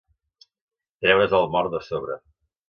Treure's el mort de sobre.